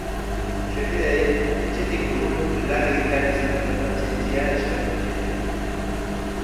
Senideei etxetik urrun lan egitean izan duten pazientzia eskertu diete.